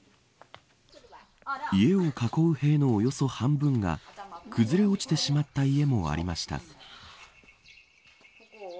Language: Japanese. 家を囲う塀のおよそ半分が崩れ落ちてしまった家もありました。